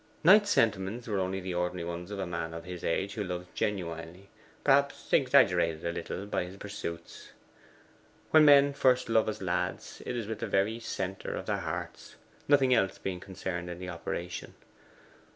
Knight's sentiments were only the ordinary ones of a man of his age who loves genuinely, perhaps exaggerated a little by his pursuits. When men first love as lads, it is with the very centre of their hearts, nothing else being concerned in the operation.